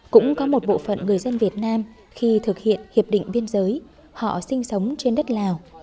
cũng có một bộ phận người dân việt nam khi thực hiện hiệp định biên giới họ sinh sống trên đất lào